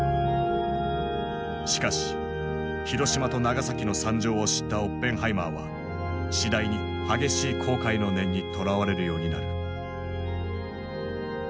しかし広島と長崎の惨状を知ったオッペンハイマーは次第に激しい後悔の念にとらわれるようになる。